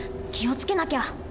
気を付けなきゃ。